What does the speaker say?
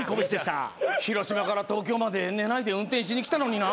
広島から東京まで寝ないで運転しに来たのにな。